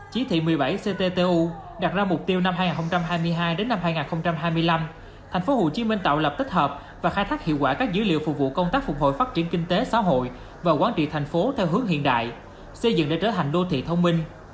chí thị một mươi bảy cttu đặt ra mục tiêu năm hai nghìn hai mươi hai đến năm hai nghìn hai mươi năm thành phố hồ chí minh tạo lập tích hợp và khai thác hiệu quả các dữ liệu phục vụ công tác phục hồi phát triển kinh tế xã hội và quán trị thành phố theo hướng hiện đại xây dựng để trở thành đô thị thông minh